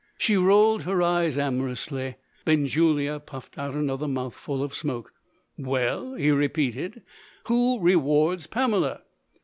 She rolled her eyes amorously. Benjulia puffed out another mouthful of smoke. "Well," he repeated, "who rewards Pamela?"